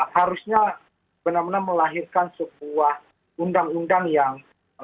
harusnya benar benar melahirkan sebuah undang undang yang